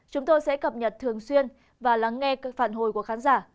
chúng tôi sẽ cập nhật thường xuyên và lắng nghe phản hồi của khán giả